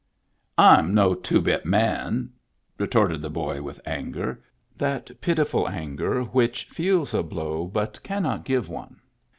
" I'm no two bit man," retorted the boy with anger — that pitiful anger which feels a blow but cannot give one.